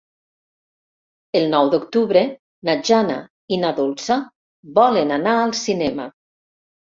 El nou d'octubre na Jana i na Dolça volen anar al cinema.